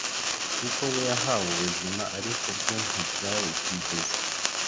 kuko we yahawe ubuzima, ariko byo, ntibyabwigeze